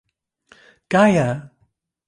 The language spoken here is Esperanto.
gaja